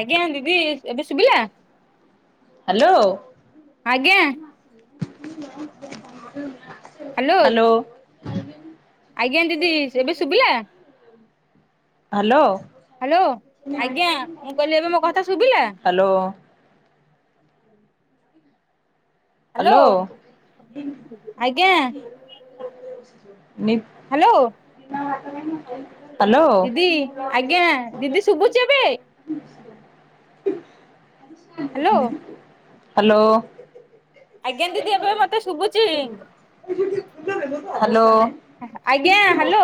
ଆଜ୍ଞା ଦିଦି ଏବେ ଶୁଭିଲା? ହ୍ୟାଲୋ। ଆଜ୍ଞା। [unintelligible] ହ୍ୟାଲୋ, ଆଜ୍ଞା ଦିଦି ଏବେ ଶୁଭିଲା। ହ୍ୟାଲୋ ହ୍ୟାଲୋ ଆଜ୍ଞା ମୁଁ କହିଲି ଏବେ ମୋ କଥା ଶୁଭିଲା? [unintelligible] ହ୍ୟାଲୋ ହ୍ୟାଲୋ ଆଜ୍ଞା। ନିପ୍ ହ୍ୟାଲୋ ଚୁନା ମାଛ ଖାଇଚନା ଦିଦି ଆଜ୍ଞା ଦିଦି ଶୁଭୁଚି ଏବେ। Hello hello. ଆଜ୍ଞା ଦିଦି ଏବେ ମତେ ଶୁଭୁଚି। ହ୍ୟାଲୋ। ହ୍ୟାଲୋ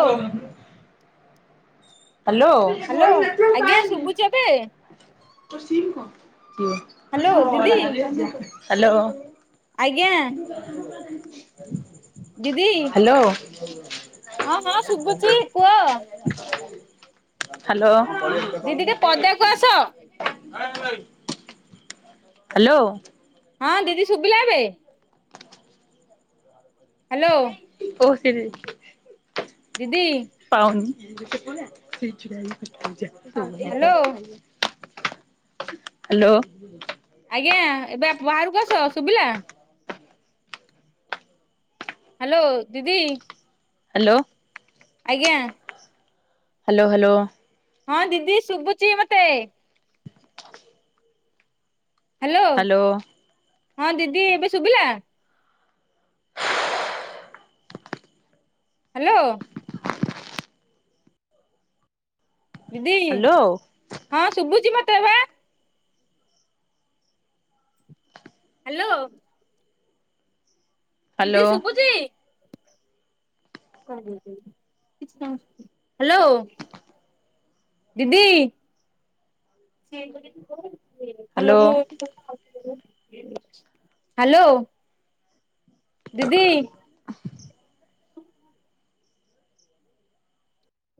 ହ୍ୟାଲୋ ହ୍ୟାଲୋ ଆଜ୍ଞା ଶୁଭୁଛି ଏବେ ହ୍ୟାଲୋ ଦିଦି [unintelligible] ହ୍ୟାଲୋ। ଆଜ୍ଞା [inaudible] ଦିଦି। [unintelligible] ହଁ ହଁ ଶୁଭୁଛି କୁହ। ହ୍ୟାଲୋ ଦିଦି ଟିକେ ପଦାକୁ ଆସ [unintelligible] ହ୍ୟାଲୋ। ହଁ ଦିଦି ଶୁଭିଲା ଏବେ? ହାଲୋ। [unintelligible] ଦିଦି। ପାଉନି। [unintelligible] Hello hello. ଆଜ୍ଞା ଏବେ ବାହାରକୁ ଆସ ଶୁଭିଲା। ହ୍ୟାଲୋ ଦିଦି। ହ୍ୟାଲୋ। ଆଜ୍ଞା। Hello hello. ହଁ ଦିଦି ଶୁଭୁଚି ମତେ। Hello hello. ହଁ ଦିଦି ଏବେ ଶୁଭିଲା? ହାଲୋ। ଦିଦି ହ୍ୟାଲୋ ହଁ ଶୁଭୁଛି ମତତ୍ ହ୍ୟାଲୋ। ହ୍ୟାଲୋ ଦିଦି ଶୁଭୁଚି? ହ୍ୟାଲୋ। ଦିଦି। Hello hello hello. ଦିଦି।